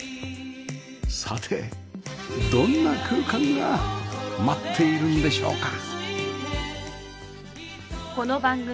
さてどんな空間が待っているんでしょうか？